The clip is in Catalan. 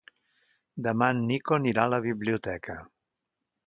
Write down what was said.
Demà en Nico anirà a la biblioteca.